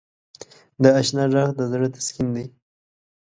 د اشنا ږغ د زړه تسکین دی.